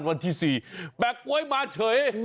วันที่๔แปะก๊วยมาเฉย